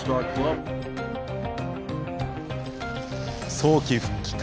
早期復帰か？